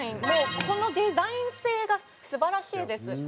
もうこのデザイン性が素晴らしいです。